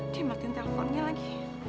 diamatin teleponnya lagi